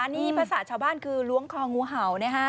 นี่ภาษาชาวบ้านคือล้วงคองูเห่านะฮะ